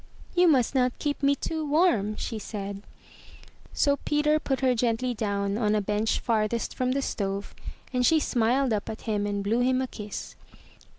"You must not keep me too warm," she said. So 231 MY BOOK HOUSE Peter put her gently down on a bench farthest froni the stove, and she smiled up at him and blew him a kiss.